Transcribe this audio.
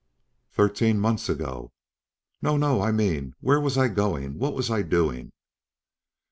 "Thirteen months ago." "No, no. I mean, where was I going, what was I doing?"